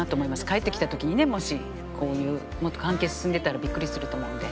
帰ってきた時にねもしこういうもっと関係進んでたらビックリすると思うんで。